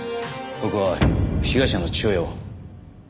僕は被害者の父親を。